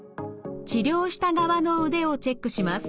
治療した側の腕をチェックします。